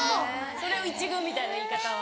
それを１軍みたいな言い方は。